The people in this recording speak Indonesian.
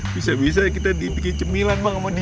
bisa bisa kita dipikir cemilan bang sama dia